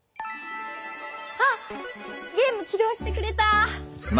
あっゲーム起動してくれた！